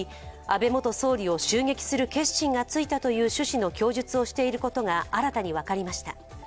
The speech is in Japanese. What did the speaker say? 安倍元総理を襲撃する決心がついたという趣旨の供述をしていることが新たに分かりました。